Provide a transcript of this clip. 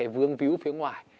vương víu phía ngoài